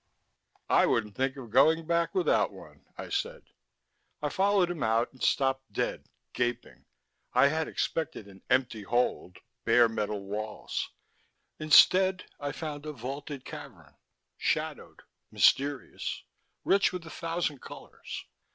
"I wouldn't think of going back without one," I said. I followed him out and stopped dead, gaping. I had expected an empty hold, bare metal walls. Instead, I found a vaulted cavern, shadowed, mysterious, rich with a thousand colors.